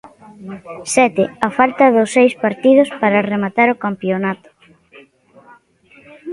Sete, a falta de seis partidos para rematar o campionato.